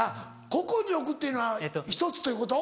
個々に置くっていうのは１つということ？